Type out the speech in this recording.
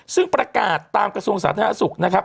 ซึ่งประกาศตามกระทรวงสาธารณสุขนะครับ